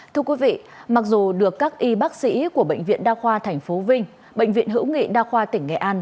thưa quý vị mặc dù được các y bác sĩ của bệnh viện đa khoa tp vinh bệnh viện hữu nghị đa khoa tỉnh nghệ an